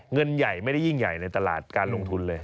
เงินใหญ่ไม่ได้ยิ่งใหญ่ในตลาดการลงทุนเลย